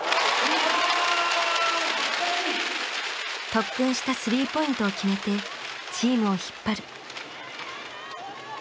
特訓した３ポイントを決めてチームを引っ張る。